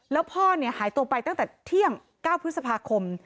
แล้วพ่อหายตัวไปตั้งแต่เที่ยง๙พฤษภาคม